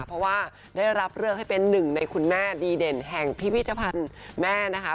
เพราะว่าได้รับเลือกให้เป็นหนึ่งในคุณแม่ดีเด่นแห่งพิพิธภัณฑ์แม่นะคะ